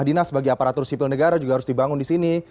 dinas bagi aparatur sipil negara juga harus dibangun di sini